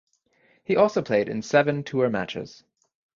He also played in seven tour matches.